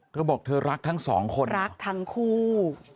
เธอบอกเธอรักทั้งสองคนรักทั้งคู่